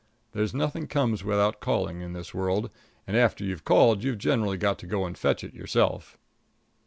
There's nothing comes without calling in this world, and after you've called you've generally got to go and fetch it yourself.